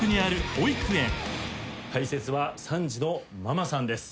解説は３児のママさんです。